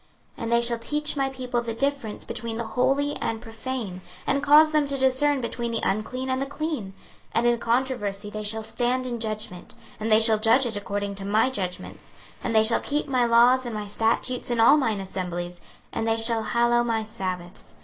26:044:023 And they shall teach my people the difference between the holy and profane, and cause them to discern between the unclean and the clean. 26:044:024 And in controversy they shall stand in judgment; and they shall judge it according to my judgments: and they shall keep my laws and my statutes in all mine assemblies; and they shall hallow my sabbaths.